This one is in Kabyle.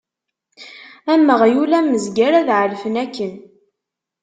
Am uɣyul, am uzger, ad ɛelfen akken.